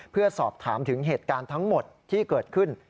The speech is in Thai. เพื่อสอบถามถึงเหตุการณ์ทั้งหมดที่เกิดขึ้น